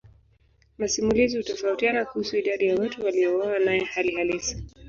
Masimulizi hutofautiana kuhusu idadi ya watu waliouawa naye hali halisi.